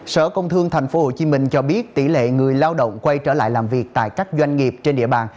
sở công thương tp hcm cho biết tỷ lệ người lao động quay trở lại làm việc tại các doanh nghiệp trên địa bàn